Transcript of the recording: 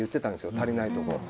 足りないところが。